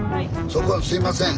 そこすいません。